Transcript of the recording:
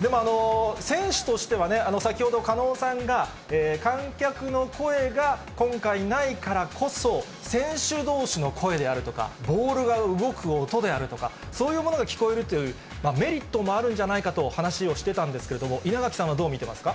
でも、選手としては先ほど、狩野さんが、観客の声が今回ないからこそ、選手どうしの声であるとか、ボールが動く音であるとか、そういうものが聞こえるというメリットもあるんじゃないかと話をしてたんですけれども、稲垣さんはどう見てますか。